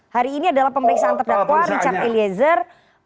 hari ini adalah pemeriksaan terdakwa richard eliezer